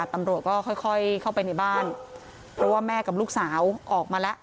ตำรวจก็ค่อยเข้าไปในบ้านเพราะว่าแม่กับลูกสาวออกมาแล้ว